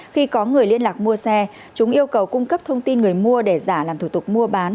khi có người liên lạc mua xe chúng yêu cầu cung cấp thông tin người mua để giả làm thủ tục mua bán